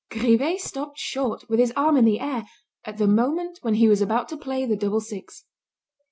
Grivet stopped short, with his arm in the air, at the moment when he was about to play the double six.